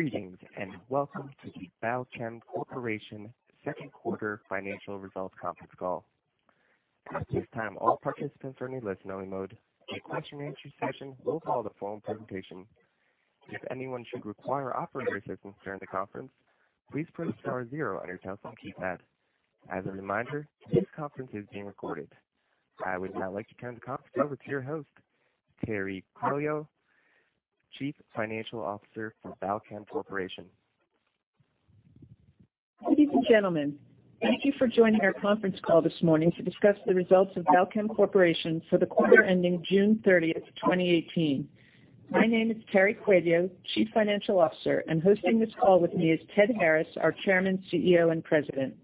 Greetings, welcome to the Balchem Corporation second quarter financial results conference call. At this time, all participants are in a listen-only mode. A question and answer session will follow the formal presentation. If anyone should require operator assistance during the conference, please press star 0 on your telephone keypad. As a reminder, this conference is being recorded. I would now like to turn the conference over to your host, Terry Coelho, Chief Financial Officer for Balchem Corporation. Ladies and gentlemen, thank you for joining our conference call this morning to discuss the results of Balchem Corporation for the quarter ending June 30th, 2018. My name is Terry Coelho, Chief Financial Officer, and hosting this call with me is Ted Harris, our Chairman, CEO, and President.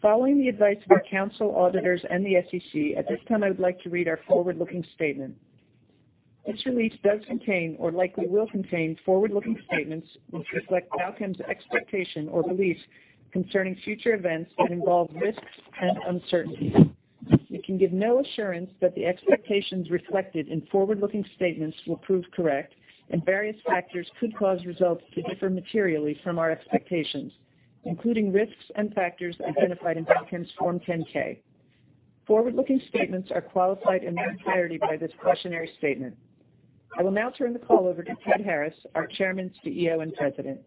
Following the advice of our counsel, auditors, and the SEC, at this time I would like to read our forward-looking statement. This release does contain or likely will contain forward-looking statements which reflect Balchem's expectation or beliefs concerning future events that involve risks and uncertainties. We can give no assurance that the expectations reflected in forward-looking statements will prove correct. Various factors could cause results to differ materially from our expectations, including risks and factors identified in Balchem's Form 10-K. Forward-looking statements are qualified in their entirety by this cautionary statement. I will now turn the call over to Ted Harris, our Chairman, CEO, and President.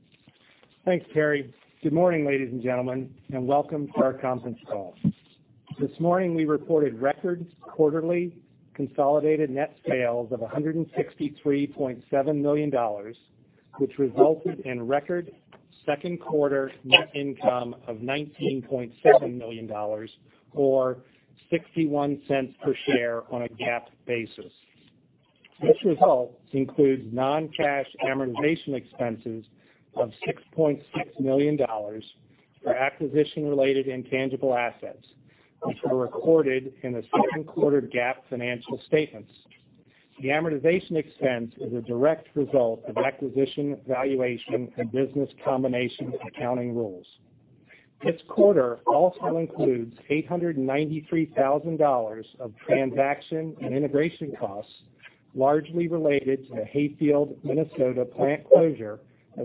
Thanks, Terry. Good morning, ladies and gentlemen, welcome to our conference call. This morning, we reported record quarterly consolidated net sales of $163.7 million, which resulted in record second quarter net income of $19.7 million or $0.61 per share on a GAAP basis. This result includes non-cash amortization expenses of $6.6 million for acquisition-related intangible assets, which were recorded in the second quarter GAAP financial statements. The amortization expense is a direct result of acquisition, valuation, and business combination accounting rules. This quarter also includes $893,000 of transaction and integration costs, largely related to the Hayfield, Minnesota plant closure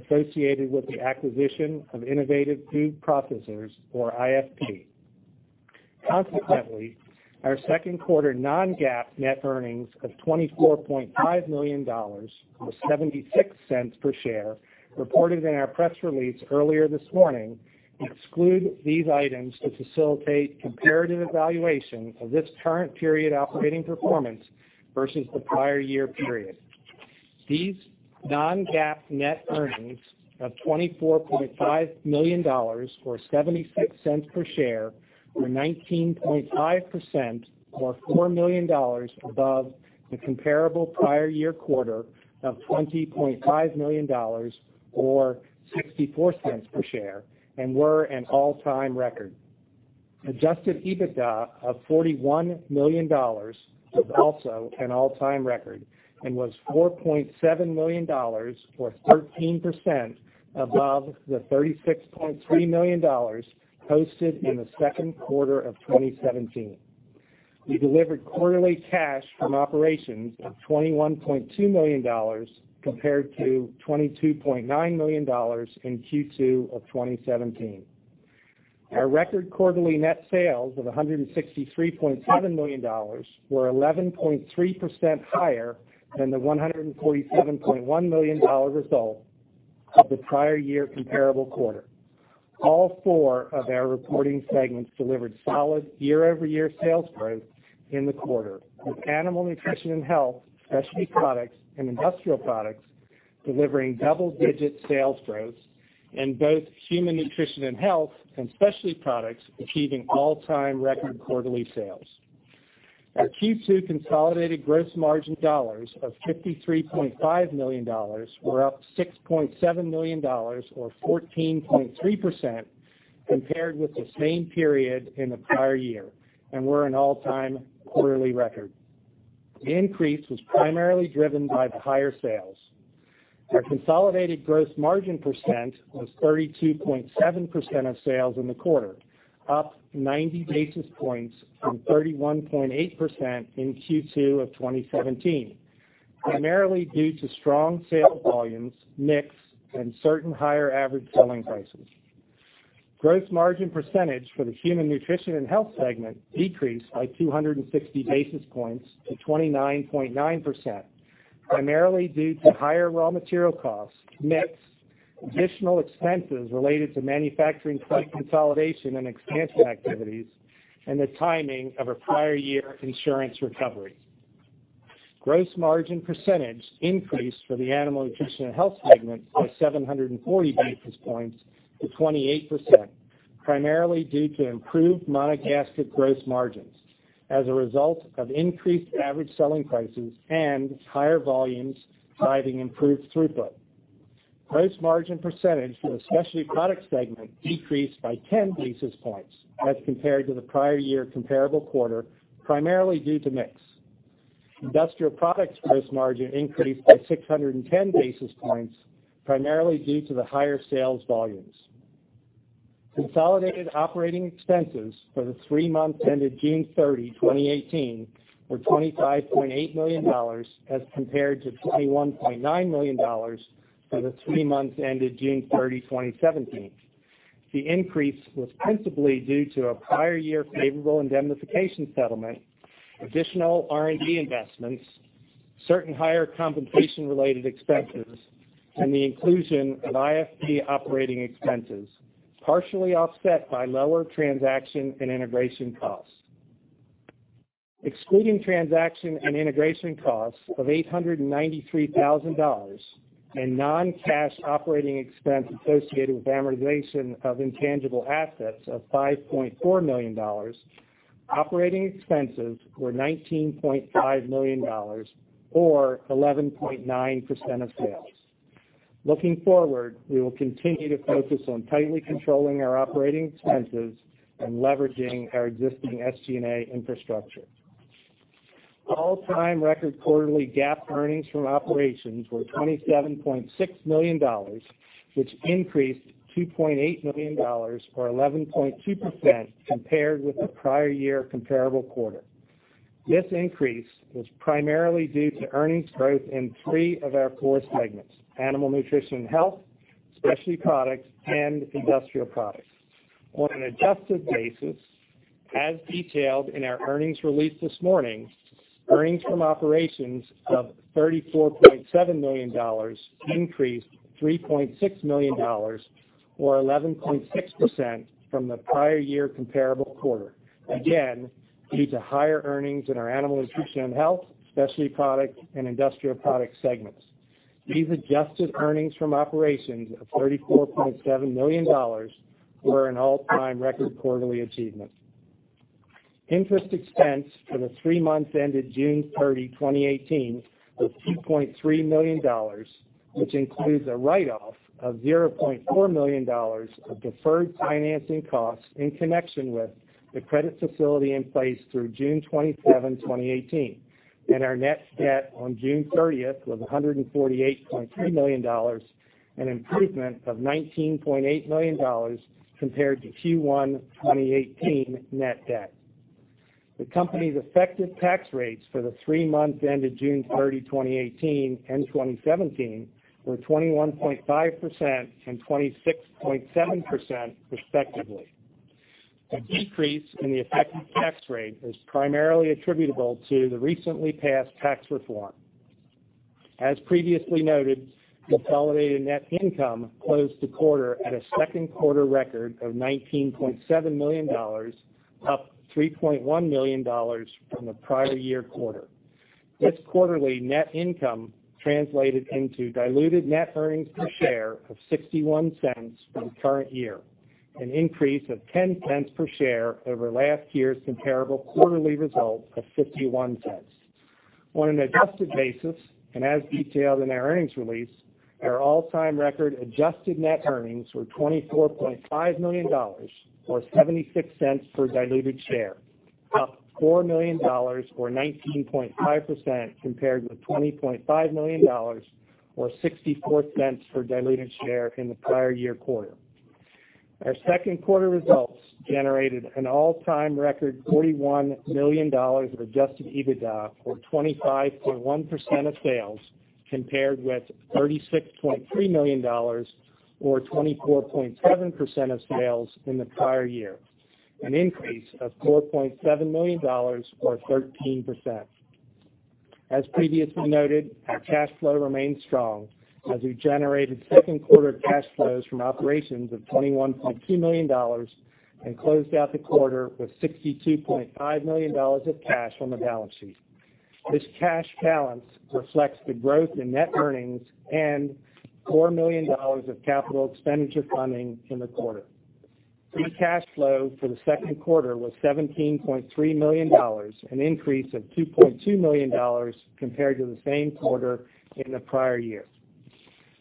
associated with the acquisition of Innovative Food Processors, or IFP. Our second quarter non-GAAP net earnings of $24.5 million or $0.76 per share reported in our press release earlier this morning exclude these items to facilitate comparative evaluation of this current period operating performance versus the prior year period. These non-GAAP net earnings of $24.5 million or $0.76 per share were 19.5% or $4 million above the comparable prior year quarter of $20.5 million or $0.64 per share and were an all-time record. Adjusted EBITDA of $41 million was also an all-time record and was $4.7 million or 13% above the $36.3 million posted in the second quarter of 2017. We delivered quarterly cash from operations of $21.2 million compared to $22.9 million in Q2 of 2017. Our record quarterly net sales of $163.7 million were 11.3% higher than the $147.1 million result of the prior year comparable quarter. All four of our reporting segments delivered solid year-over-year sales growth in the quarter, with Animal Nutrition & Health, Specialty Products, and Industrial Products delivering double-digit sales growth and both Human Nutrition & Health and Specialty Products achieving all-time record quarterly sales. Our Q2 consolidated gross margin dollars of $53.5 million were up $6.7 million or 14.3% compared with the same period in the prior year and were an all-time quarterly record. The increase was primarily driven by the higher sales. Our consolidated gross margin percent was 32.7% of sales in the quarter, up 90 basis points from 31.8% in Q2 of 2017, primarily due to strong sales volumes, mix, and certain higher average selling prices. Gross margin percentage for the Human Nutrition & Health segment decreased by 260 basis points to 29.9%, primarily due to higher raw material costs, mix, additional expenses related to manufacturing site consolidation and expansion activities, and the timing of a prior year insurance recovery. Gross margin percentage increased for the Animal Nutrition & Health segment by 740 basis points to 28%, primarily due to improved monogastric gross margins as a result of increased average selling prices and higher volumes driving improved throughput. Gross margin percentage for the Specialty Products segment decreased by 10 basis points as compared to the prior year comparable quarter, primarily due to mix. Industrial Products' gross margin increased by 610 basis points, primarily due to the higher sales volumes. Consolidated operating expenses for the three months ended June 30, 2018, were $25.8 million as compared to $21.9 million for the three months ended June 30, 2017. The increase was principally due to a prior year favorable indemnification settlement, additional R&D investments, certain higher compensation-related expenses, and the inclusion of IFP operating expenses, partially offset by lower transaction and integration costs. Excluding transaction and integration costs of $893,000 and non-cash operating expense associated with amortization of intangible assets of $5.4 million, operating expenses were $19.5 million or 11.9% of sales. Looking forward, we will continue to focus on tightly controlling our operating expenses and leveraging our existing SG&A infrastructure. All-time record quarterly GAAP earnings from operations were $27.6 million, which increased $2.8 million or 11.2% compared with the prior year comparable quarter. This increase was primarily due to earnings growth in three of our four segments: Animal Nutrition & Health, Specialty Products, and Industrial Products. On an adjusted basis, as detailed in our earnings release this morning, earnings from operations of $34.7 million increased $3.6 million or 11.6% from the prior year comparable quarter, again, due to higher earnings in our Animal Nutrition & Health, Specialty Products, and Industrial Products segments. These adjusted earnings from operations of $34.7 million were an all-time record quarterly achievement. Interest expense for the three months ended June 30, 2018, was $2.3 million, which includes a write-off of $0.4 million of deferred financing costs in connection with the credit facility in place through June 27, 2018. Our net debt on June 30th was $148.3 million, an improvement of $19.8 million compared to Q1 2018 net debt. The company's effective tax rates for the three months ended June 30, 2018, and 2017 were 21.5% and 26.7% respectively. The decrease in the effective tax rate is primarily attributable to the recently passed tax reform. As previously noted, consolidated net income closed the quarter at a second quarter record of $19.7 million, up $3.1 million from the prior year quarter. This quarterly net income translated into diluted net earnings per share of $0.61 for the current year, an increase of $0.10 per share over last year's comparable quarterly result of $0.51. On an adjusted basis, and as detailed in our earnings release, our all-time record adjusted net earnings were $24.5 million or $0.76 per diluted share, up $4 million or 19.5% compared with $20.5 million or $0.64 per diluted share in the prior year quarter. Our second quarter results generated an all-time record $41 million of adjusted EBITDA or 25.1% of sales compared with $36.3 million or 24.7% of sales in the prior year, an increase of $4.7 million or 13%. As previously noted, our cash flow remains strong as we generated second quarter cash flows from operations of $21.2 million and closed out the quarter with $62.5 million of cash on the balance sheet. This cash balance reflects the growth in net earnings and $4 million of capital expenditure funding in the quarter. Free cash flow for the second quarter was $17.3 million, an increase of $2.2 million compared to the same quarter in the prior year.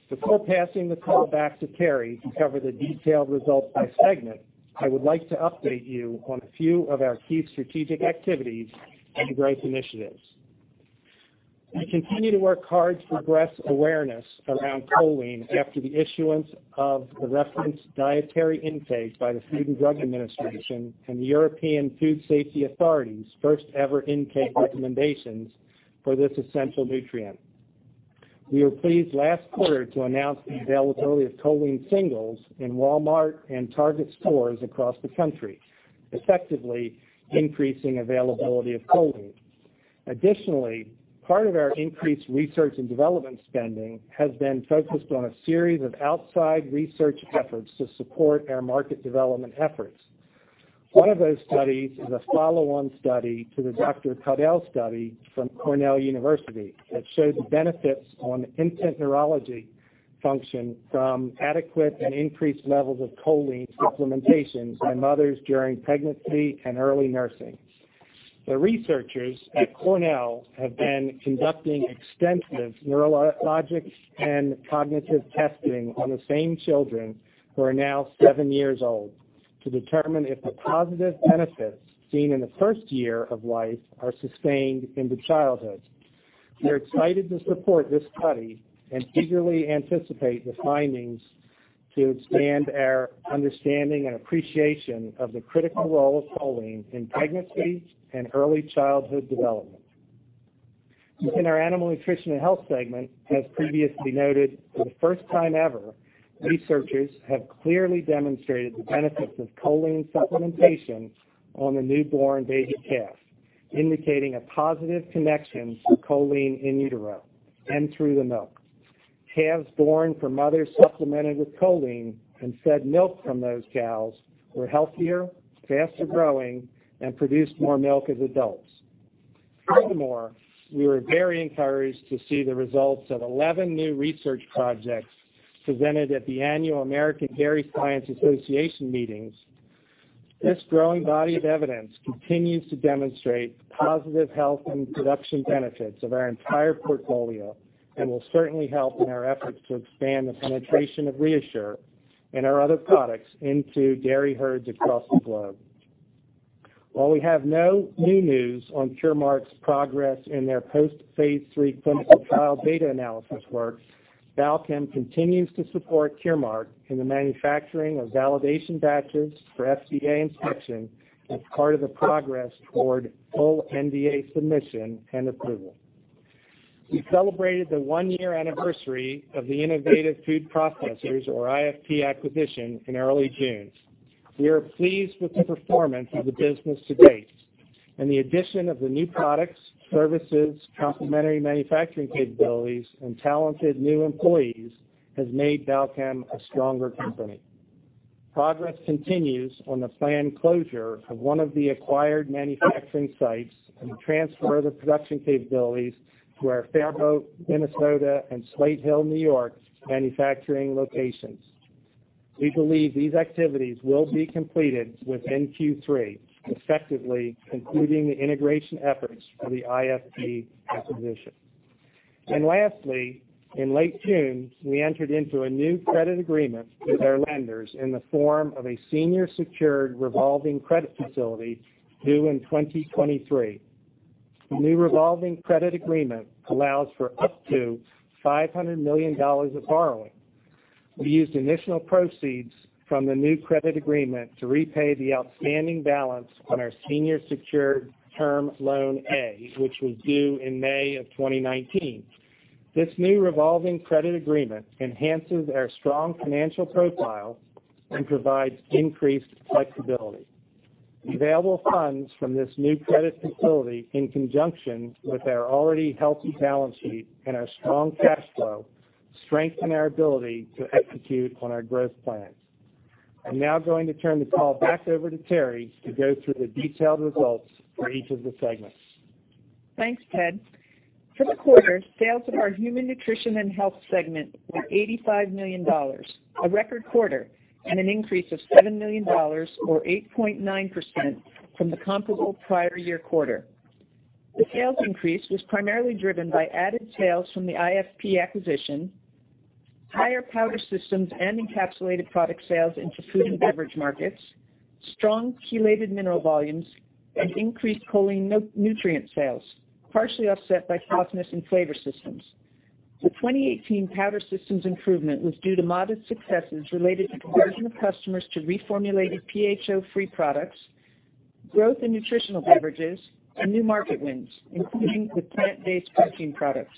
Before passing the call back to Terry to cover the detailed results by segment, I would like to update you on a few of our key strategic activities and growth initiatives. We continue to work hard for broader awareness around choline after the issuance of the Reference Daily Intake by the Food and Drug Administration and the European Food Safety Authority's first-ever intake recommendations for this essential nutrient. We were pleased last quarter to announce the availability of Choline Singles in Walmart and Target stores across the country, effectively increasing availability of choline. Additionally, part of our increased research and development spending has been focused on a series of outside research efforts to support our market development efforts. One of those studies is a follow-on study to the Dr. Caudill study from Cornell University that shows the benefits on infant neurology function from adequate and increased levels of choline supplementation by mothers during pregnancy and early nursing. The researchers at Cornell have been conducting extensive neurologic and cognitive testing on the same children, who are now seven years old, to determine if the positive benefits seen in the first year of life are sustained into childhood. We're excited to support this study and eagerly anticipate the findings to expand our understanding and appreciation of the critical role of choline in pregnancy and early childhood development. Within our Animal Nutrition & Health segment, as previously noted, for the first time ever, researchers have clearly demonstrated the benefits of choline supplementation on the newborn baby calves, indicating a positive connection for choline in utero and through the milk. Calves born from mothers supplemented with choline and fed milk from those cows were healthier, faster growing, and produced more milk as adults. We were very encouraged to see the results of 11 new research projects presented at the annual American Dairy Science Association meetings. This growing body of evidence continues to demonstrate the positive health and production benefits of our entire portfolio and will certainly help in our efforts to expand the penetration of ReaShure and our other products into dairy herds across the globe. While we have no new news on Curemark's progress in their post-phase III clinical trial data analysis work, Balchem continues to support Curemark in the manufacturing of validation batches for FDA inspection as part of the progress toward full NDA submission and approval. We celebrated the one-year anniversary of the Innovative Food Processors, or IFP, acquisition in early June. We are pleased with the performance of the business to date and the addition of the new products, services, complementary manufacturing capabilities, and talented new employees has made Balchem a stronger company. Progress continues on the planned closure of one of the acquired manufacturing sites and the transfer of the production capabilities to our Faribault, Minnesota, and Slate Hill, N.Y., manufacturing locations. We believe these activities will be completed within Q3, effectively concluding the integration efforts for the IFP acquisition. Lastly, in late June, we entered into a new credit agreement with our lenders in the form of a senior secured revolving credit facility due in 2023. The new revolving credit agreement allows for up to $500 million of borrowing. We used initial proceeds from the new credit agreement to repay the outstanding balance on our senior secured term loan A, which was due in May of 2019. This new revolving credit agreement enhances our strong financial profile and provides increased flexibility. The available funds from this new credit facility, in conjunction with our already healthy balance sheet and our strong cash flow, strengthen our ability to execute on our growth plans. I'm now going to turn the call back over to Terry to go through the detailed results for each of the segments. Thanks, Ted. For the quarter, sales of our Human Nutrition & Health segment were $85 million, a record quarter, and an increase of $7 million or 8.9% from the comparable prior year quarter. The sales increase was primarily driven by added sales from the IFP acquisition, higher powder systems and encapsulated product sales into food and beverage markets, strong chelated mineral volumes, and increased choline nutrient sales, partially offset by cosmetics and flavor systems. The 2018 powder systems improvement was due to modest successes related to conversion of customers to reformulated PHO-free products, growth in nutritional beverages, and new market wins, including with plant-based protein products.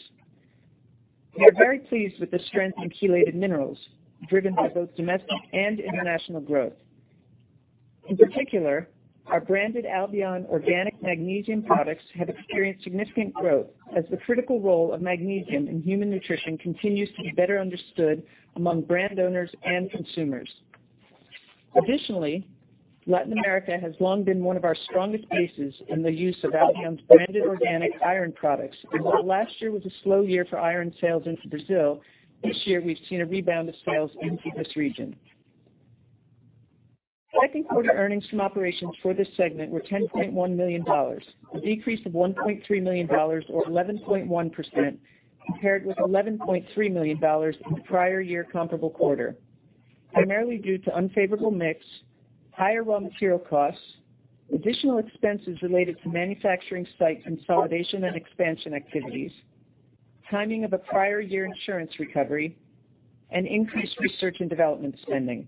We are very pleased with the strength in chelated minerals, driven by both domestic and international growth. In particular, our branded Albion organic magnesium products have experienced significant growth as the critical role of magnesium in human nutrition continues to be better understood among brand owners and consumers. Additionally, Latin America has long been one of our strongest cases in the use of Albion's branded organic iron products. While last year was a slow year for iron sales into Brazil, this year we've seen a rebound of sales into this region. Second quarter earnings from operations for this segment were $10.1 million, a decrease of $1.3 million or 11.1%, compared with $11.3 million in the prior year comparable quarter, primarily due to unfavorable mix, higher raw material costs, additional expenses related to manufacturing site consolidation and expansion activities, timing of a prior year insurance recovery, and increased research and development spending.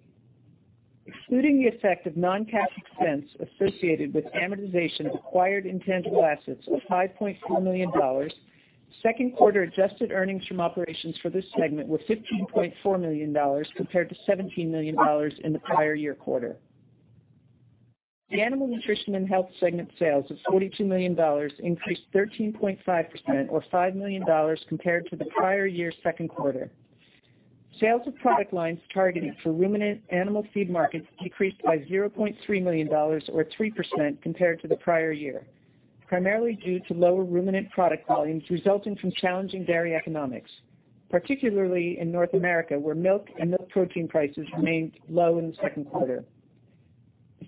Excluding the effect of non-cash expense associated with amortization of acquired intangible assets of $5.4 million, second quarter adjusted earnings from operations for this segment were $15.4 million compared to $17 million in the prior year quarter. The Animal Nutrition & Health segment sales of $42 million increased 13.5%, or $5 million, compared to the prior year second quarter. Sales of product lines targeted for ruminant animal feed markets decreased by $0.3 million, or 3%, compared to the prior year, primarily due to lower ruminant product volumes resulting from challenging dairy economics, particularly in North America, where milk and milk protein prices remained low in the second quarter.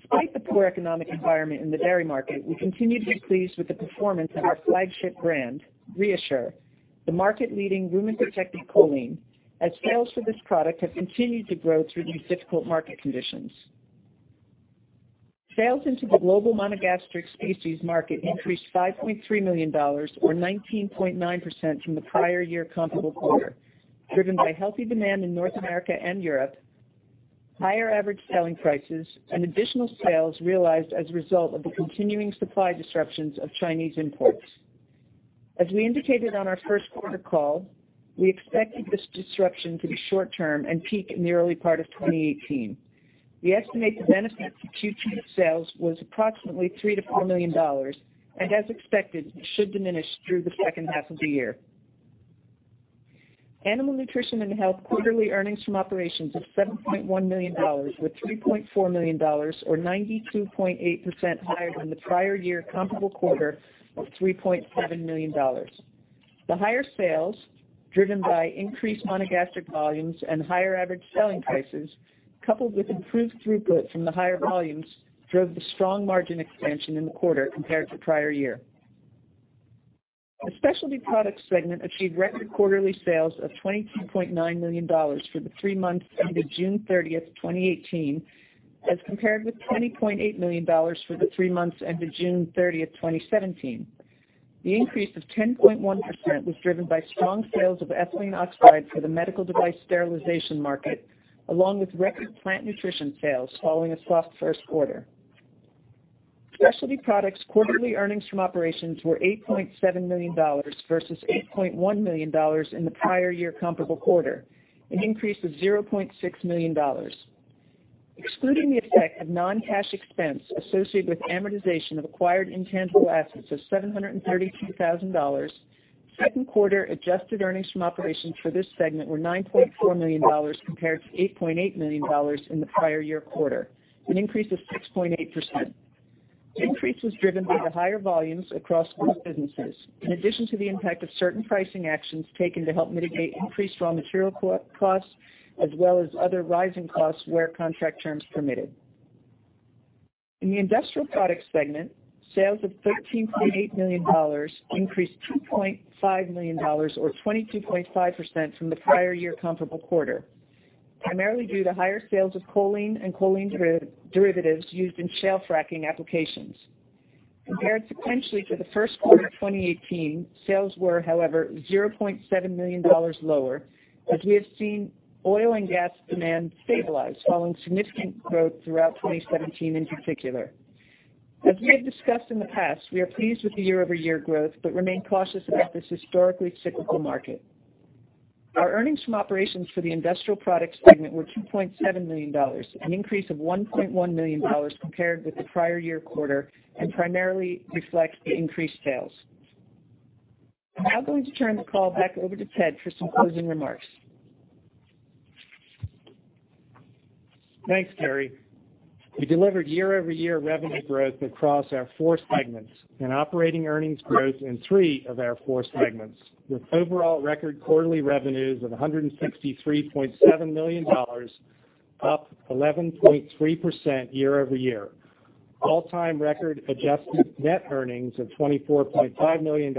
Despite the poor economic environment in the dairy market, we continue to be pleased with the performance of our flagship brand, ReaShure, the market-leading ruminant-protected choline, as sales for this product have continued to grow through these difficult market conditions. Sales into the global monogastric species market increased $5.3 million, or 19.9%, from the prior year comparable quarter, driven by healthy demand in North America and Europe, higher average selling prices, and additional sales realized as a result of the continuing supply disruptions of Chinese imports. As we indicated on our first quarter call, we expected this disruption to be short-term and peak in the early part of 2018. We estimate the benefit to Q2 sales was approximately $3 million-$4 million, and as expected, it should diminish through the second half of the year. Animal Nutrition & Health quarterly earnings from operations of $7.1 million, with $3.4 million, or 92.8%, higher than the prior year comparable quarter of $3.7 million. The higher sales, driven by increased monogastric volumes and higher average selling prices, coupled with improved throughput from the higher volumes, drove the strong margin expansion in the quarter compared to prior year. The Specialty Products segment achieved record quarterly sales of $22.9 million for the three months ended June 30th, 2018, as compared with $20.8 million for the three months ended June 30th, 2017. The increase of 10.1% was driven by strong sales of ethylene oxide for the medical device sterilization market, along with record plant nutrition sales following a soft first quarter. Specialty Products quarterly earnings from operations were $8.7 million versus $8.1 million in the prior year comparable quarter, an increase of $0.6 million. Excluding the effect of non-cash expense associated with amortization of acquired intangible assets of $732,000, second quarter adjusted earnings from operations for this segment were $9.4 million compared to $8.8 million in the prior year quarter, an increase of 6.8%. The increase was driven by the higher volumes across both businesses, in addition to the impact of certain pricing actions taken to help mitigate increased raw material costs as well as other rising costs where contract terms permitted. In the Industrial Products segment, sales of $13.8 million increased $2.5 million or 22.5% from the prior year comparable quarter, primarily due to higher sales of choline and choline derivatives used in shale fracking applications. Compared sequentially to the first quarter of 2018, sales were, however, $0.7 million lower as we have seen oil and gas demand stabilize following significant growth throughout 2017 in particular. As we have discussed in the past, we are pleased with the year-over-year growth but remain cautious about this historically cyclical market. Our earnings from operations for the Industrial Products segment were $2.7 million, an increase of $1.1 million compared with the prior year quarter, primarily reflect the increased sales. I'm now going to turn the call back over to Ted for some closing remarks. Thanks, Terry. We delivered year-over-year revenue growth across our four segments and operating earnings growth in three of our four segments, with overall record quarterly revenues of $163.7 million, up 11.3% year-over-year. All-time record adjusted net earnings of $24.5 million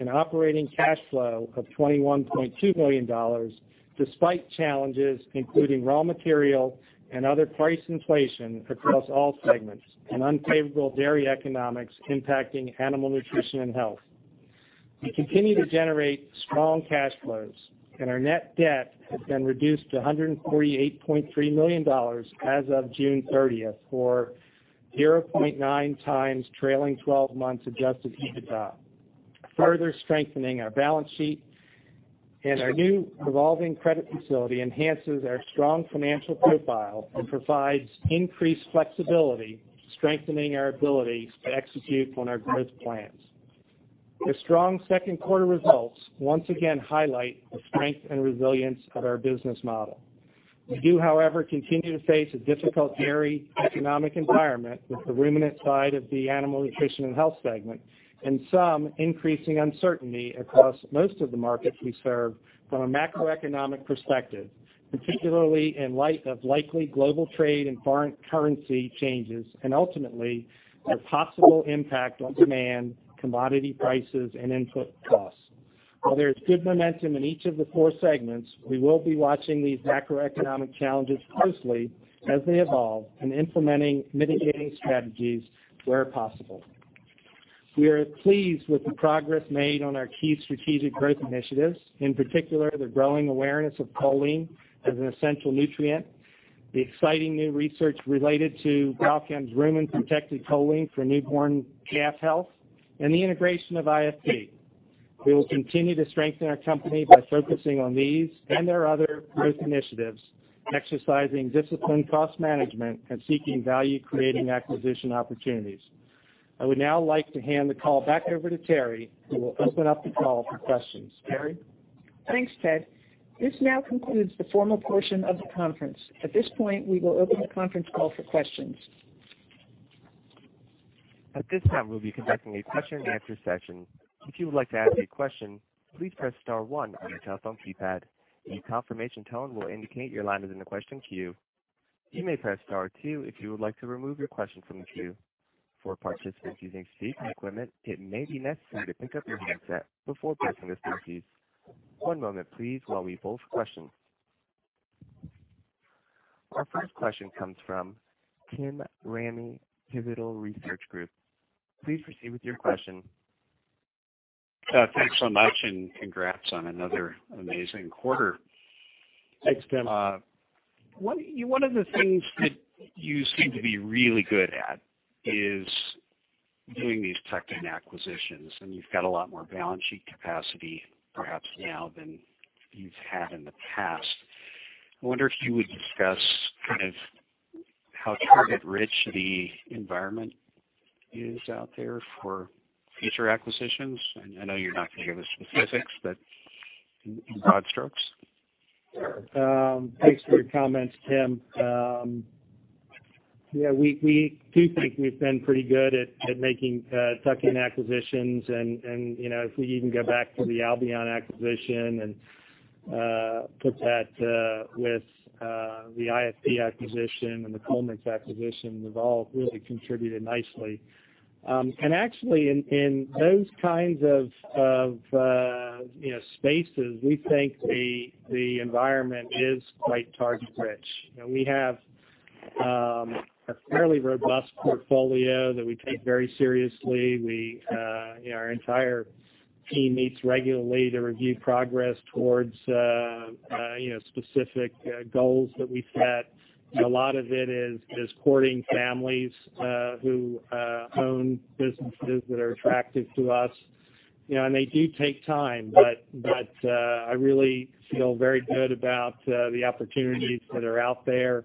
and operating cash flow of $21.2 million, despite challenges including raw material and other price inflation across all segments and unfavorable dairy economics impacting Animal Nutrition & Health. We continue to generate strong cash flows, our net debt has been reduced to $148.3 million as of June 30th, or 0.9 times trailing 12 months adjusted EBITDA, further strengthening our balance sheet. Our new revolving credit facility enhances our strong financial profile and provides increased flexibility, strengthening our ability to execute on our growth plans. The strong second quarter results once again highlight the strength and resilience of our business model. We do, however, continue to face a difficult dairy economic environment with the ruminant side of the Animal Nutrition & Health segment and some increasing uncertainty across most of the markets we serve from a macroeconomic perspective, particularly in light of likely global trade and foreign currency changes and ultimately their possible impact on demand, commodity prices, and input costs. While there is good momentum in each of the four segments, we will be watching these macroeconomic challenges closely as they evolve and implementing mitigating strategies where possible. We are pleased with the progress made on our key strategic growth initiatives, in particular, the growing awareness of choline as an essential nutrient, the exciting new research related to Balchem's rumen-protected choline for newborn calf health, and the integration of IFP. We will continue to strengthen our company by focusing on these and our other growth initiatives and exercising disciplined cost management and seeking value-creating acquisition opportunities. I would now like to hand the call back over to Terry, who will open up the call for questions. Terry? Thanks, Ted. This now concludes the formal portion of the conference. At this point, we will open the conference call for questions. At this time, we'll be conducting a question-and-answer session. If you would like to ask a question, please press star one on your telephone keypad. A confirmation tone will indicate your line is in the question queue. You may press star two if you would like to remove your question from the queue. For participants using speaker equipment, it may be necessary to pick up your headset before pressing the star keys. One moment please while we pose questions. Our first question comes from Tim Ramey, Pivotal Research Group. Please proceed with your question. Thanks so much, and congrats on another amazing quarter. Thanks, Tim. One of the things that you seem to be really good at is doing these tuck-in acquisitions, and you've got a lot more balance sheet capacity perhaps now than you've had in the past. I wonder if you would discuss how target-rich the environment is out there for future acquisitions. I know you're not going to give us specifics, but in broad strokes. Sure. Thanks for your comments, Tim. Yeah, we do think we've been pretty good at making tuck-in acquisitions and if we even go back to the Albion acquisition and put that with the IFP acquisition and the Chemogas acquisition, they've all really contributed nicely. Actually, in those kinds of spaces, we think the environment is quite target-rich. We have a fairly robust portfolio that we take very seriously. Our entire team meets regularly to review progress towards specific goals that we set. A lot of it is courting families who own businesses that are attractive to us, and they do take time, but I really feel very good about the opportunities that are out there.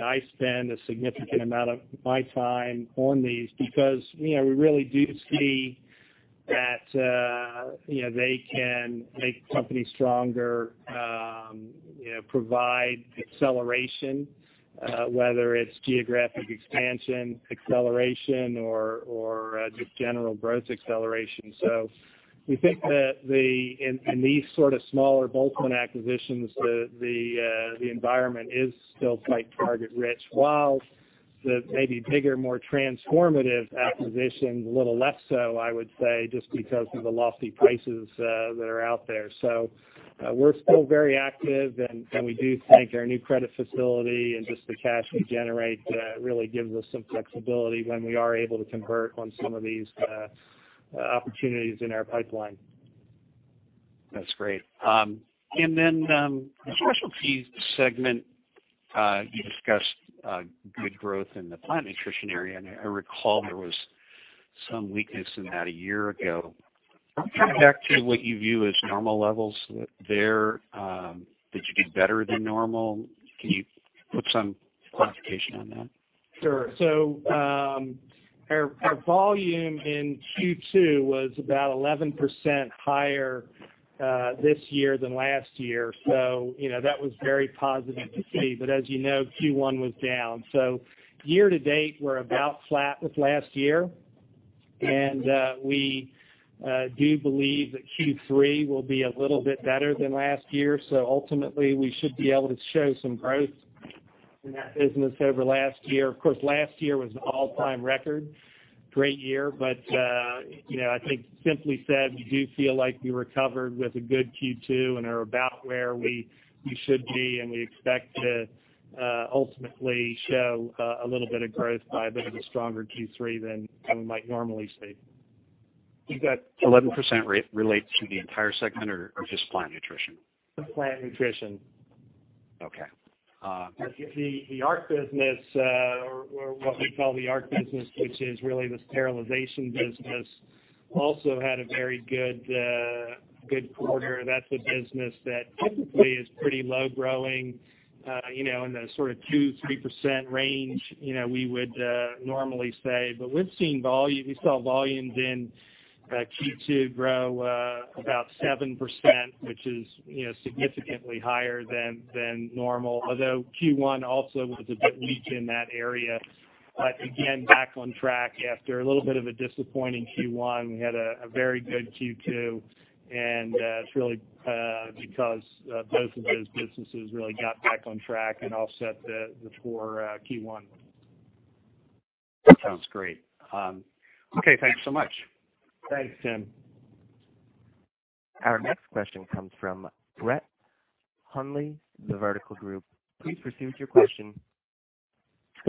I spend a significant amount of my time on these because we really do see that they can make the company stronger, provide acceleration, whether it's geographic expansion acceleration or just general growth acceleration. We think that in these sort of smaller bolt-on acquisitions, the environment is still quite target-rich. While the maybe bigger, more transformative acquisitions, a little less so, I would say, just because of the lofty prices that are out there. We are still very active, and we do think our new credit facility and just the cash we generate really gives us some flexibility when we are able to convert on some of these opportunities in our pipeline. That's great. Then the Specialty segment, you discussed good growth in the plant nutrition area, and I recall there was some weakness in that a year ago. Are you back to what you view as normal levels there? Did you do better than normal? Can you put some quantification on that? Sure. Our volume in Q2 was about 11% higher this year than last year, that was very positive to see. As you know, Q1 was down. Year to date, we are about flat with last year. We do believe that Q3 will be a little bit better than last year. Ultimately, we should be able to show some growth in that business over last year. Of course, last year was an all-time record. Great year. I think simply said, we do feel like we recovered with a good Q2 and are about where we should be, and we expect to ultimately show a little bit of growth by a bit of a stronger Q3 than we might normally see. 11% relates to the entire segment or just plant nutrition? Just plant nutrition. Okay. The ARC business, or what we call the ARC business, which is really this sterilization business, also had a very good quarter. That's a business that typically is pretty low growing, in the sort of 2%-3% range, we would normally say. We saw volumes in Q2 grow about 7%, which is significantly higher than normal, although Q1 also was a bit weak in that area. Again, back on track after a little bit of a disappointing Q1. We had a very good Q2, and it's really because both of those businesses really got back on track and offset the poor Q1. That sounds great. Okay, thanks so much. Thanks, Tim. Our next question comes from Brett Hundley of The Vertical Group. Please proceed with your question.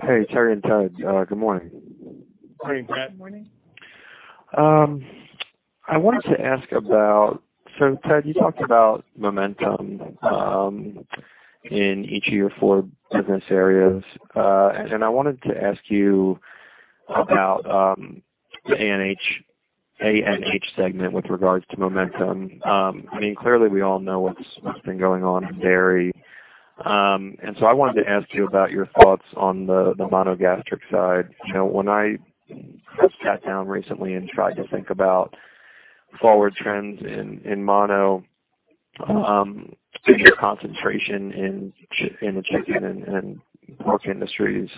Hey, Terry and Ted. Good morning. Morning, Brett. Good morning. I wanted to ask about, Ted, you talked about momentum in each of your four business areas. I wanted to ask you about the ANH segment with regards to momentum. Clearly, we all know what's been going on in dairy. I wanted to ask you about your thoughts on the monogastric side. When I sat down recently and tried to think about forward trends in mono, seeing a concentration in the chicken and pork industries.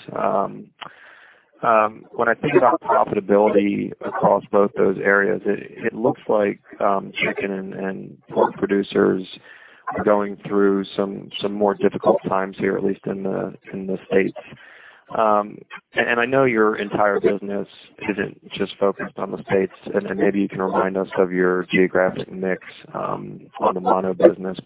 When I think about profitability across both those areas, it looks like chicken and pork producers are going through some more difficult times here, at least in the U.S. I know your entire business isn't just focused on the U.S., and maybe you can remind us of your geographic mix on the mono business.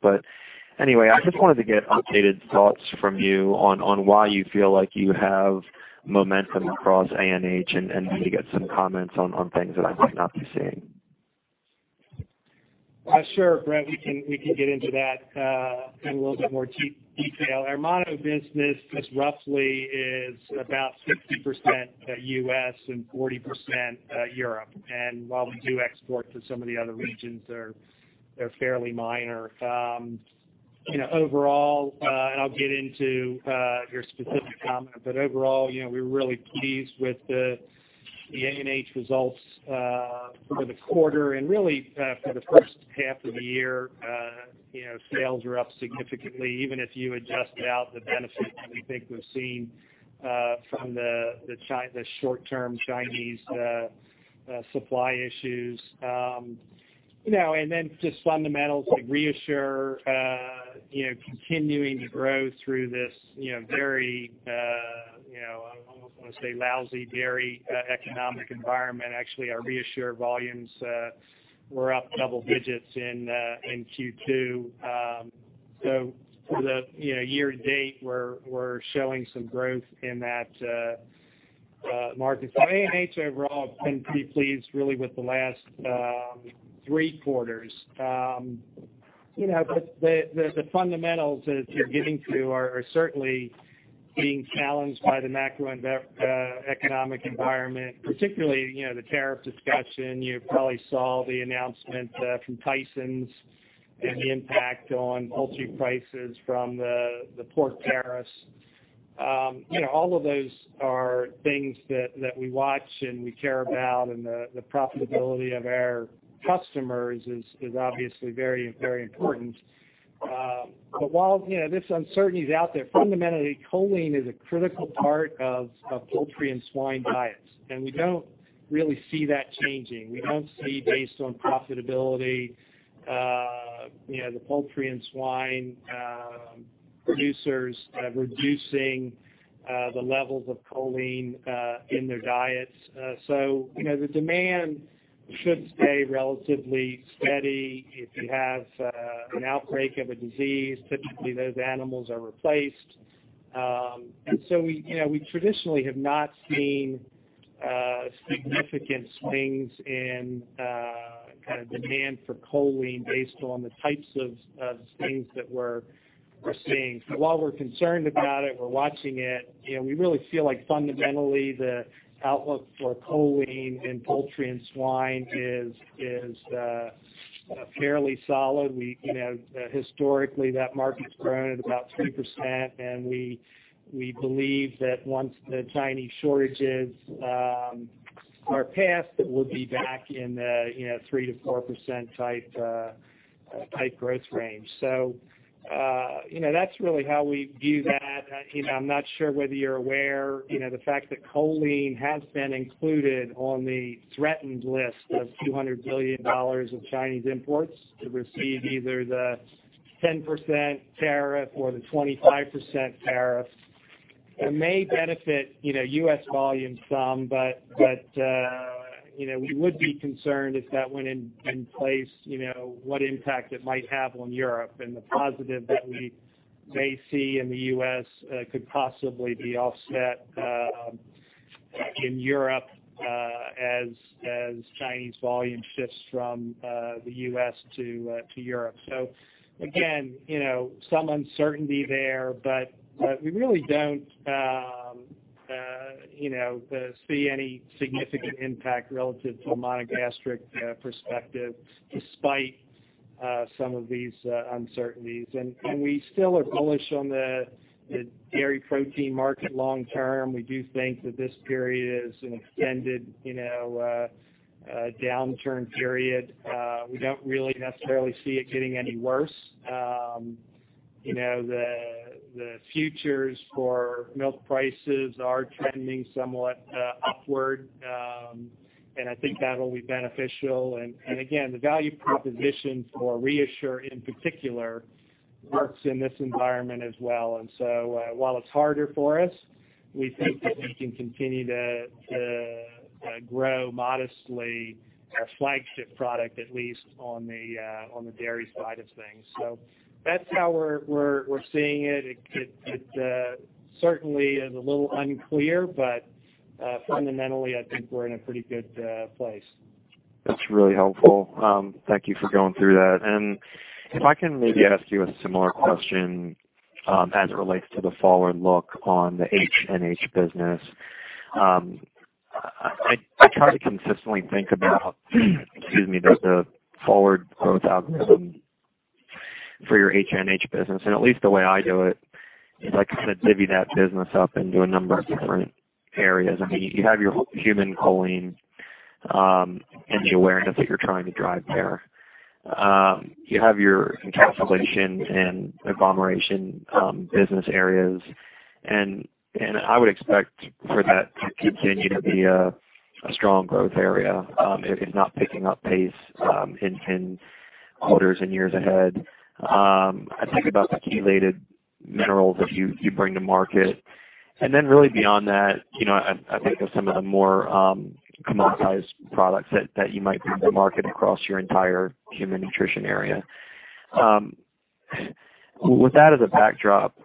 Anyway, I just wanted to get updated thoughts from you on why you feel like you have momentum across ANH and maybe get some comments on things that I might not be seeing. Sure, Brett, we can get into that in a little bit more detail. Our mono business just roughly is about 60% U.S. and 40% Europe. While we do export to some of the other regions, they're fairly minor. Overall, I'll get into your specific comment, overall, we're really pleased with the ANH results for the quarter and really for the first half of the year. Sales are up significantly, even if you adjust out the benefit that we think we've seen from the short-term Chinese supply issues. Just fundamentals like ReaShure continuing to grow through this very, I almost want to say lousy dairy economic environment. Actually, our ReaShure volumes were up double digits in Q2. For the year to date, we're showing some growth in that market. ANH overall has been pretty pleased really with the last three quarters. The fundamentals that you're getting to are certainly being challenged by the macroeconomic environment, particularly the tariff discussion. You probably saw the announcement from Tyson's and the impact on poultry prices from the pork tariffs. All of those are things that we watch and we care about, and the profitability of our customers is obviously very important. While this uncertainty is out there, fundamentally choline is a critical part of poultry and swine diets, and we don't really see that changing. We don't see, based on profitability, the poultry and swine producers reducing the levels of choline in their diets. The demand should stay relatively steady. If you have an outbreak of a disease, typically those animals are replaced. We traditionally have not seen significant swings in demand for choline based on the types of things that we're seeing. While we're concerned about it, we're watching it. We really feel like fundamentally, the outlook for choline in poultry and swine is fairly solid. Historically, that market's grown at about 3%, and we believe that once the Chinese shortages are passed, that we'll be back in the 3 to 4% type growth range. That's really how we view that. I'm not sure whether you're aware, the fact that choline has been included on the threatened list of $200 billion of Chinese imports to receive either the 10% tariff or the 25% tariff. It may benefit U.S. volumes some, but, we would be concerned if that went in place, what impact it might have on Europe and the positive that we may see in the U.S. could possibly be offset in Europe as Chinese volume shifts from the U.S. to Europe. Again, some uncertainty there, but we really don't see any significant impact relative to a monogastric perspective despite some of these uncertainties. We still are bullish on the dairy protein market long term. We do think that this period is an extended downturn period. We don't really necessarily see it getting any worse. The futures for milk prices are trending somewhat upward. I think that'll be beneficial. Again, the value proposition for ReaShure in particular works in this environment as well. While it's harder for us, we think that we can continue to grow modestly our flagship product, at least on the dairy side of things. That's how we're seeing it. It certainly is a little unclear, but fundamentally, I think we're in a pretty good place. That's really helpful. Thank you for going through that. If I can maybe ask you a similar question as it relates to the forward look on the HNH business. I try to consistently think about excuse me, the forward growth outlook for your HNH business. At least the way I do it is I kind of divvy that business up into a number of different areas. I mean, you have your human choline and the awareness that you're trying to drive there. You have your encapsulation and agglomeration business areas, and I would expect for that to continue to be a strong growth area if not picking up pace in quarters and years ahead. I think about the chelated minerals that you bring to market. Really beyond that, I think of some of the more commoditized products that you might bring to market across your entire human nutrition area. With that as a backdrop,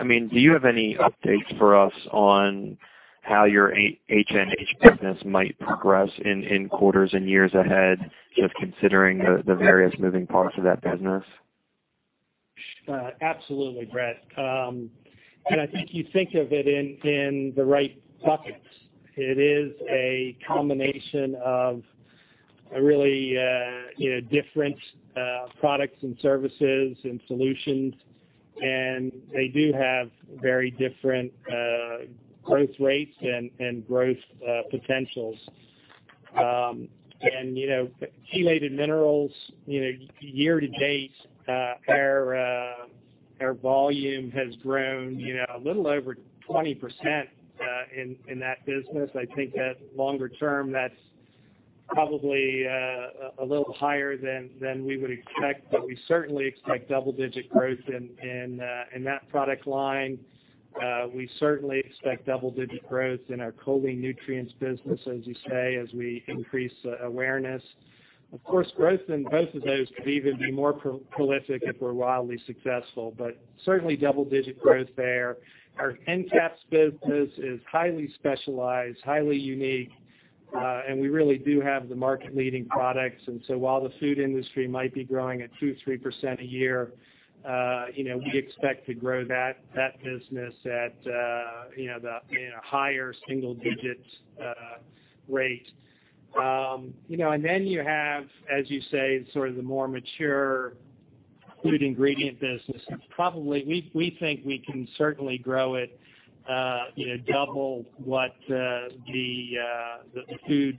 do you have any updates for us on how your HNH business might progress in quarters and years ahead, just considering the various moving parts of that business? Absolutely, Brett. I think you think of it in the right buckets. It is a combination of really different products and services and solutions. They do have very different growth rates and growth potentials. Chelated minerals, year to date, our volume has grown a little over 20% in that business. I think that longer term, that's probably a little higher than we would expect, but we certainly expect double-digit growth in that product line. We certainly expect double-digit growth in our choline nutrients business, as you say, as we increase awareness. Of course, growth in both of those could even be more prolific if we're wildly successful, but certainly double-digit growth there. Our Encap business is highly specialized, highly unique, and we really do have the market-leading products. While the food industry might be growing at 2%, 3% a year, we expect to grow that business at the higher single digits rate. You have, as you say, sort of the more mature food ingredient business. We think we can certainly grow it double what the food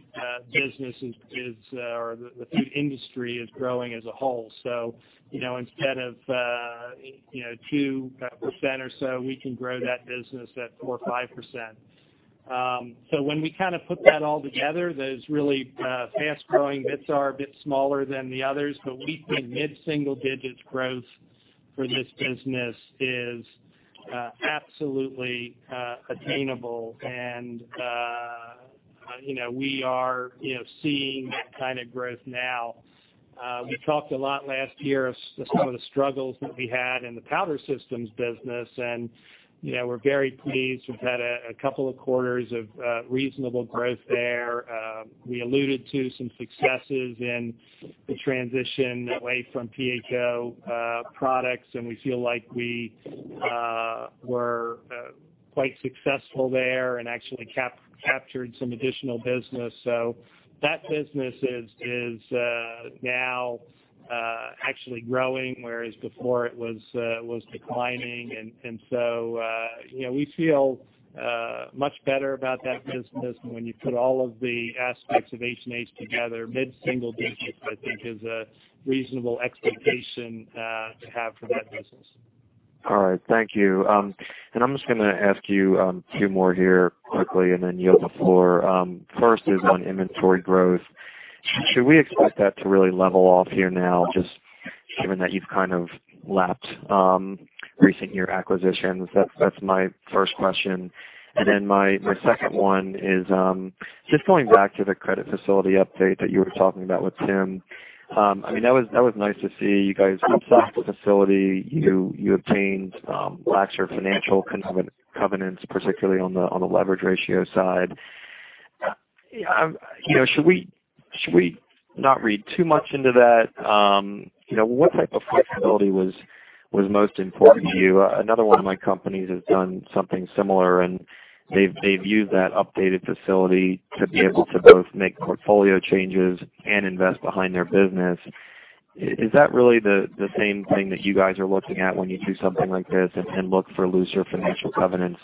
business is, or the food industry is growing as a whole. Instead of 2% or so, we can grow that business at 4% or 5%. When we put that all together, those really fast-growing bits are a bit smaller than the others, but we think mid-single digits growth for this business is absolutely attainable and we are seeing that kind of growth now. We talked a lot last year of some of the struggles that we had in the powder systems business. We're very pleased. We've had a couple of quarters of reasonable growth there. We alluded to some successes in the transition away from PHO products. We feel like we were quite successful there and actually captured some additional business. That business is now actually growing, whereas before it was declining. We feel much better about that business. When you put all of the aspects of HNH together, mid-single digits, I think is a reasonable expectation to have for that business. All right. Thank you. I'm just going to ask you two more here quickly, then yield the floor. First is on inventory growth. Should we expect that to really level off here now, just given that you've kind of lapped recent year acquisitions? That's my first question. My second one is, just going back to the credit facility update that you were talking about with Tim. That was nice to see you guys the facility, you obtained laxer financial covenants, particularly on the leverage ratio side. Should we not read too much into that? What type of flexibility was most important to you? Another one of my companies has done something similar. They've used that updated facility to be able to both make portfolio changes and invest behind their business. Is that really the same thing that you guys are looking at when you do something like this and look for looser financial covenants?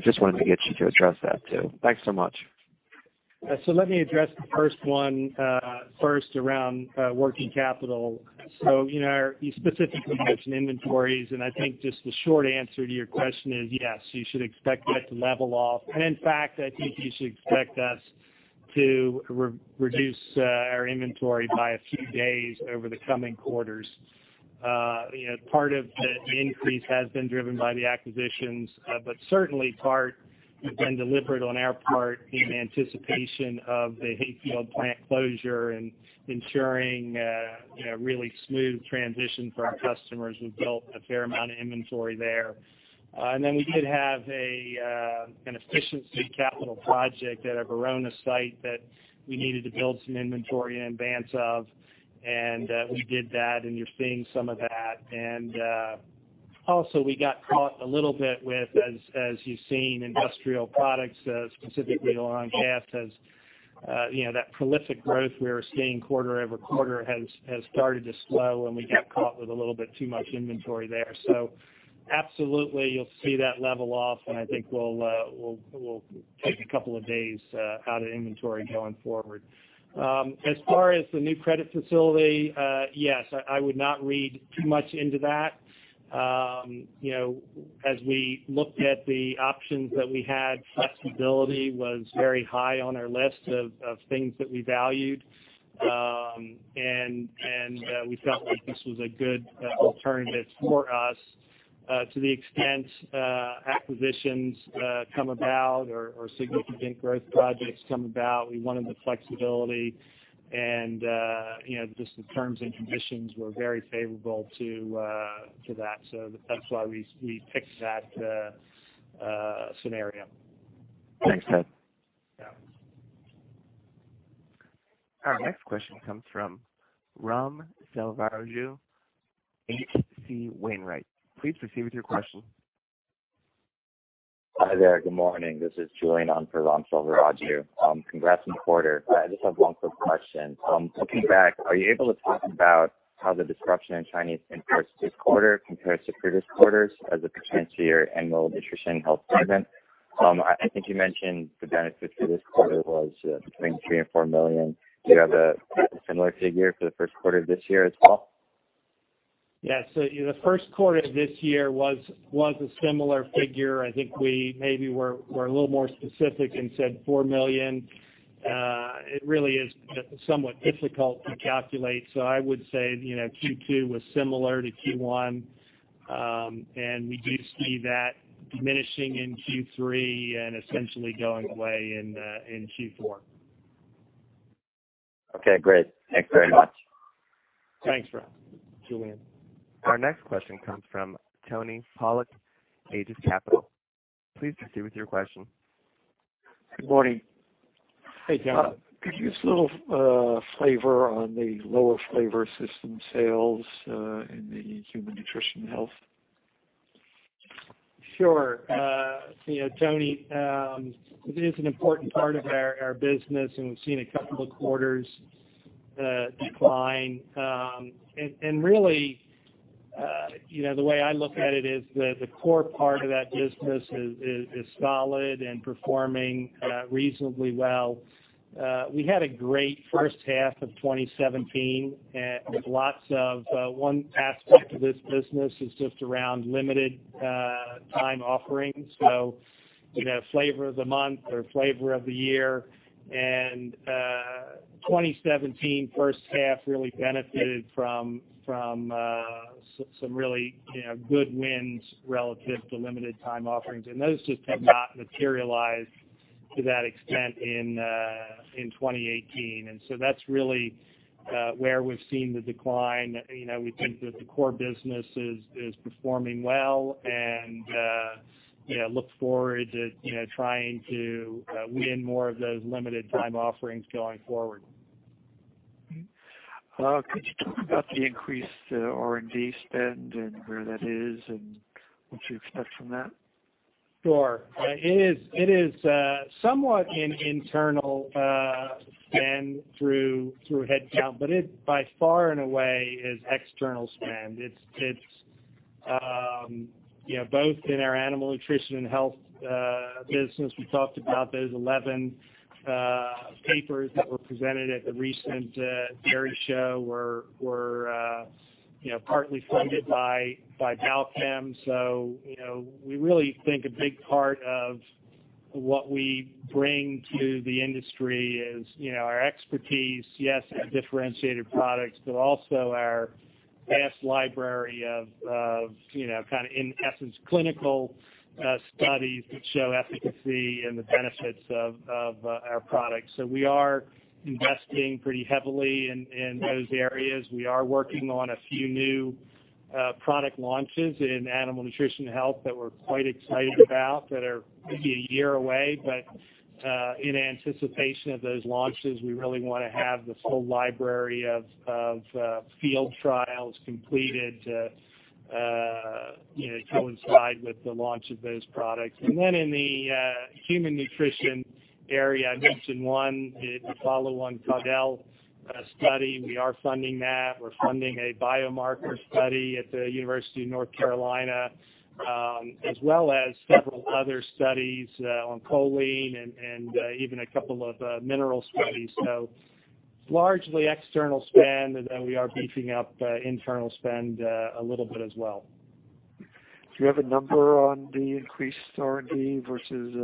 Just wanted to get you to address that, too. Thanks so much. Let me address the first one first around working capital. You specifically mentioned inventories, and I think just the short answer to your question is, yes, you should expect that to level off. In fact, I think you should expect us to reduce our inventory by a few days over the coming quarters. Part of the increase has been driven by the acquisitions, but certainly part has been deliberate on our part in anticipation of the Hayfield plant closure and ensuring a really smooth transition for our customers. We've built a fair amount of inventory there. Then we did have an efficiency capital project at our Verona site that we needed to build some inventory in advance of, and we did that, and you're seeing some of that. Also we got caught a little bit with, as you've seen, Industrial Products, specifically [oil and gas], that prolific growth we were seeing quarter-over-quarter has started to slow, and we got caught with a little bit too much inventory there. Absolutely, you'll see that level off, and I think we'll take a couple of days out of inventory going forward. As far as the new credit facility, yes, I would not read too much into that. We looked at the options that we had, flexibility was very high on our list of things that we valued. We felt like this was a good alternative for us. To the extent acquisitions come about or significant growth projects come about, we wanted the flexibility and just the terms and conditions were very favorable to that. That's why we picked that scenario. Thanks, Ted. Yeah. Our next question comes from Ram Selvaraju, H.C. Wainwright & Co. Please proceed with your question. Hi there. Good morning. This is Julian in for Raghuram Selvaraju. Congrats on the quarter. I just have one quick question. Looking back, are you able to talk about how the disruption in Chinese imports this quarter compares to previous quarters as it pertains to your Animal Nutrition & Health segment? I think you mentioned the benefit for this quarter was between $3 million and $4 million. Do you have a similar figure for the first quarter of this year as well? The first quarter of this year was a similar figure. I think we maybe were a little more specific and said $4 million. It really is somewhat difficult to calculate. I would say, Q2 was similar to Q1. We do see that diminishing in Q3 and essentially going away in Q4. Okay, great. Thanks very much. Thanks, Julian. Our next question comes from Tony Polak, Aegis Capital. Please proceed with your question. Good morning. Hey, Tony. Could you give us a little flavor on the lower flavor system sales in the Human Nutrition & Health? Sure, Tony. It is an important part of our business, and we've seen a couple of quarters decline. Really, the way I look at it is the core part of that business is solid and performing reasonably well. We had a great first half of 2017, and lots of one aspect of this business is just around limited time offerings. Flavor of the month or flavor of the year. 2017 first half really benefited from some really good wins relative to limited time offerings. Those just have not materialized to that extent in 2018. That's really where we've seen the decline. We think that the core business is performing well and look forward to trying to win more of those limited time offerings going forward. Could you talk about the increased R&D spend and where that is and what you expect from that? Sure. It is somewhat an internal spend through headcount, but it by far and away is external spend. It's both in our Animal Nutrition & Health business. We talked about those 11 papers that were presented at the recent dairy show were partly funded by Balchem. We really think a big part of what we bring to the industry is our expertise, yes, in differentiated products, but also our vast library of kind of, in essence, clinical studies that show efficacy and the benefits of our products. We are investing pretty heavily in those areas. We are working on a few new product launches in Animal Nutrition & Health that we're quite excited about that are maybe a year away. In anticipation of those launches, we really want to have this whole library of field trials completed to coincide with the launch of those products. In the human nutrition area, I mentioned one, the follow-on Caudill study. We are funding that. We're funding a biomarker study at the University of North Carolina, as well as several other studies on choline and even a couple of mineral studies. Largely external spend, and then we are beefing up internal spend a little bit as well. Do you have a number on the increased R&D versus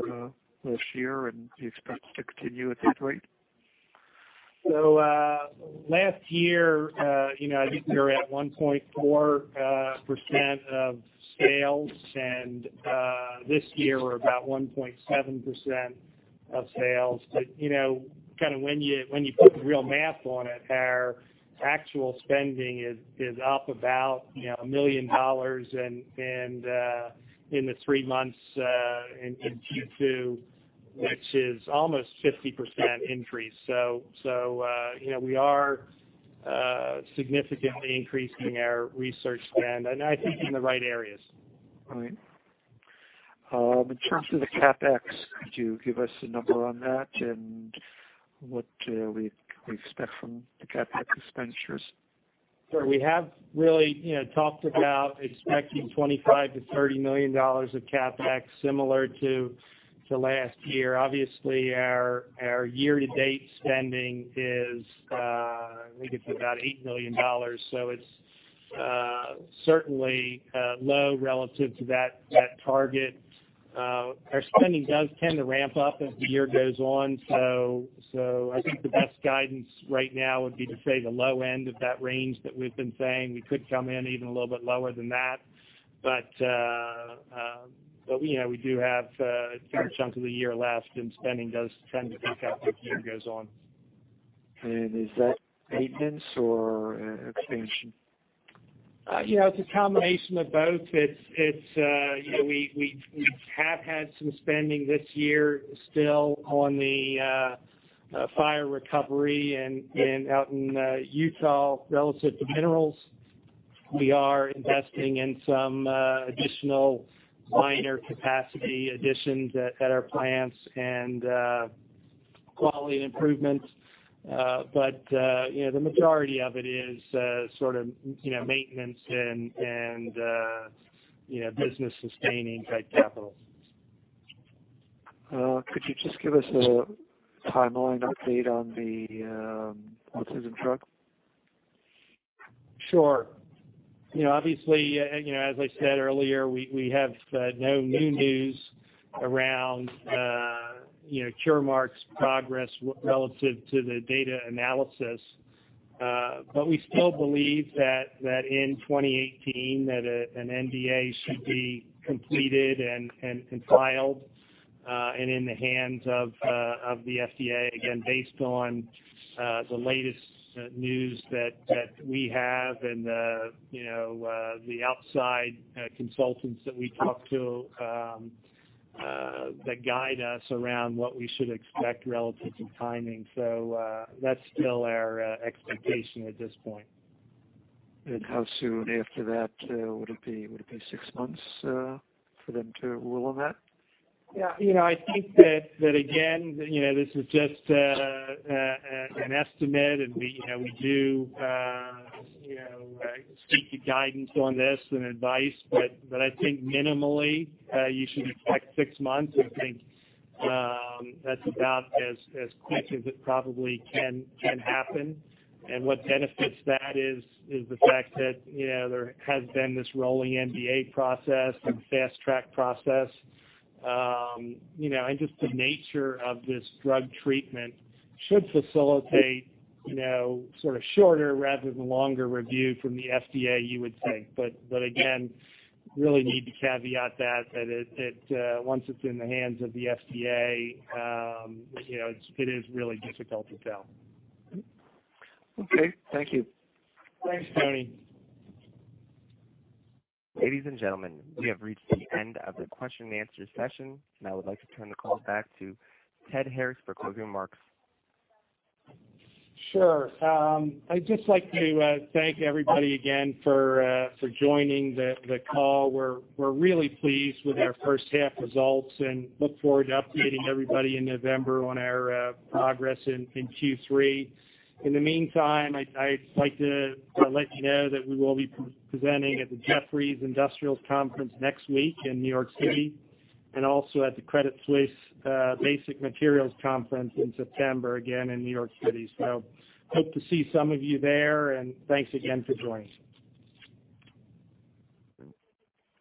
last year, and do you expect it to continue at that rate? Last year, I think we were at 1.4% of sales, and this year we're about 1.7% of sales. When you put the real math on it, our actual spending is up about $1 million and in the three months in Q2, which is almost 50% increase. We are significantly increasing our research spend, and I think in the right areas. All right. In terms of the CapEx, could you give us a number on that and what we expect from the CapEx expenditures? Sure. We have really talked about expecting $25 million-$30 million of CapEx, similar to last year. Obviously, our year-to-date spending is I think it's about $8 million. It's certainly low relative to that target. Our spending does tend to ramp up as the year goes on. I think the best guidance right now would be to say the low end of that range that we've been saying. We could come in even a little bit lower than that. We do have a fair chunk of the year left, and spending does tend to pick up as the year goes on. Is that maintenance or expansion? It's a combination of both. We have had some spending this year still on the fire recovery and out in Utah relative to minerals. We are investing in some additional minor capacity additions at our plants and quality improvements. The majority of it is maintenance and business-sustaining type capital. Could you just give us a timeline update on the autism drug? Sure. Obviously, as I said earlier, we have no new news around Curemark's progress relative to the data analysis. We still believe that in 2018, that an NDA should be completed and filed, and in the hands of the FDA, again, based on the latest news that we have and the outside consultants that we talk to, that guide us around what we should expect relative to timing. That's still our expectation at this point. How soon after that would it be? Would it be six months for them to rule on that? Yeah. I think that again, this is just an estimate, and we do speak to guidance on this and advice, but I think minimally, you should expect six months. I think that's about as quick as it probably can happen. What benefits that is the fact that there has been this rolling NDA process and fast-track process. Just the nature of this drug treatment should facilitate shorter rather than longer review from the FDA, you would think. Again, really need to caveat that once it's in the hands of the FDA, it is really difficult to tell. Okay. Thank you. Thanks, Tony. Ladies and gentlemen, we have reached the end of the question and answer session, and I would like to turn the call back to Ted Harris for closing remarks. Sure. I'd just like to thank everybody again for joining the call. We're really pleased with our first half results and look forward to updating everybody in November on our progress in Q3. In the meantime, I'd like to let you know that we will be presenting at the Jefferies Industrials Conference next week in New York City, and also at the Credit Suisse Basic Materials Conference in September, again in New York City. Hope to see some of you there, and thanks again for joining.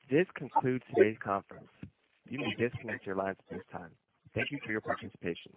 This concludes today's conference. You may disconnect your lines at this time. Thank you for your participation.